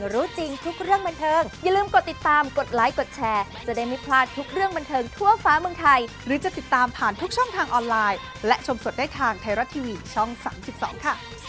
รู้จริงทุกเรื่องบรรเทิร์มบรรเทิร์มไทยรัก